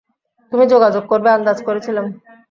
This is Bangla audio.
তুমি যোগাযোগ করবে, আন্দাজ করেছিলাম।